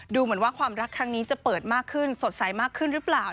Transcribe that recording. ดูเหมือนว่าความรักครั้งนี้จะเปิดมากขึ้นสดใสมากขึ้นหรือเปล่า